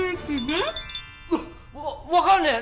わ分かんねえ！